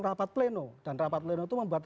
rapat pleno dan rapat pleno itu membuat